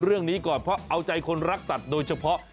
เรื่องนี้ก่อนเพราะเอาใจคนรักสัตว์โดยเฉพาะ